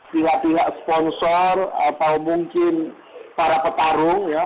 pihak pihak sponsor atau mungkin para petarung ya